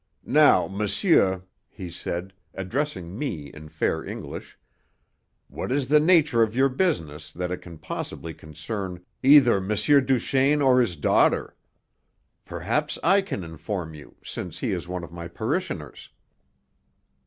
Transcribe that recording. "Now, monsieur," he said, addressing me in fair English, "what is the nature of your business that it can possibly concern either M. Duchaine or his daughter? Perhaps I can inform you, since he is one of my parishioners."